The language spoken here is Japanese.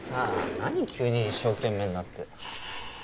何急に一生懸命になって。